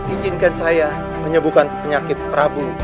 injinkan saya menyembuhkan penyakit pramu